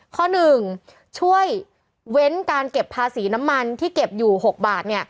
ข้อ๑ช่วยเว้นการเก็บภาษีน้ำมันที่เก็บอยู่๖บาท